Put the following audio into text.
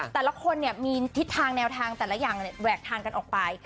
แต่ละคนมีทิศทางแนวทางแต่ละอย่างแหวกทางกันออกไป